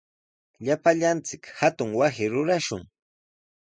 Llapallanchik hatun wasi rurashun.